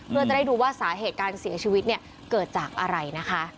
เพื่อจะได้ดูว่าสาเหตุการเสียชีวิตเนี่ยเกิดจากอะไรนะคะ